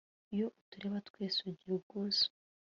iyo utureba twese, ugira ubwuzu